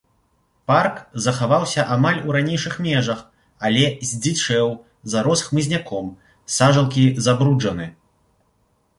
Парк захаваўся амаль у ранейшых межах, але здзічэў, зарос хмызняком, сажалкі забруджаны.